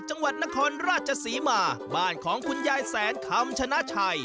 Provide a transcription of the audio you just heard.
จังหวัดนครราชศรีมาบ้านของคุณยายแสนคำชนะชัย